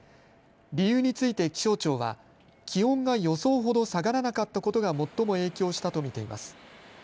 理由について、気象庁は気温が予想ほど下がらなかったことが最も影響したと見ています。